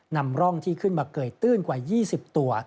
นำร่องที่ขึ้นมาเกยตื้นกว่า๒๐ตัว